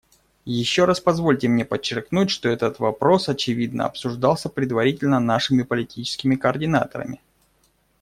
Еще раз позвольте мне подчеркнуть, что этот вопрос, очевидно, обсуждался предварительно нашими политическими координаторами.